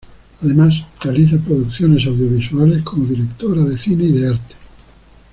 Además, realiza producciones audiovisuales, como directora de cine y de arte.